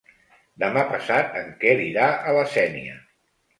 Demà passat en Quer irà a la Sénia.